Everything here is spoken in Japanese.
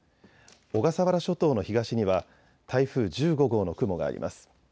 小笠原諸島の東には台風１５号の雲があります。